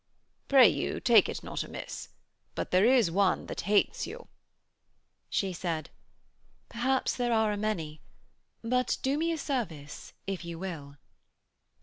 'Pray you take it not amiss. But there is one that hates you.' She said: 'Perhaps there are a many; but do me a service if you will.'